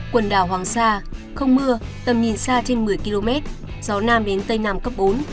quần đảo hoàng sa không mưa tầm nhìn xa trên một mươi km gió nam đến tây nam cấp bốn